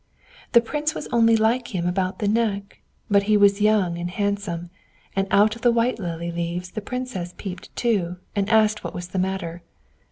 The Prince was only like him about the neck; but he was young and handsome. And out of the white lily leaves the Princess peeped too, and asked what was the matter.